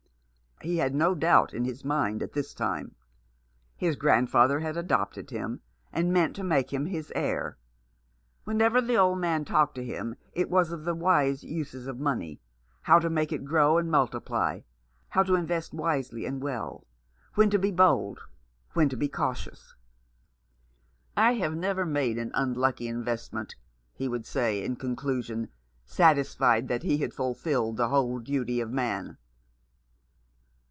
He had no doubt in his mind at this time. His grand father had adopted him, and meant to make him his heir. Whenever the old man talked to him it was of the wise uses of money, how to make it grow and multiply, how to invest wisely and well, when to be bold, when to be cautious. " I have never made an unlucky investment," he would say, in conclusion, satisfied that he had ful filled the whole duty of man.